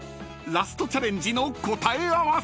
［ラストチャレンジの答え合わせ］